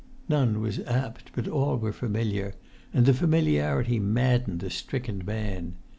None was apt, but all were familiar, and the familiarity maddened the stricken man.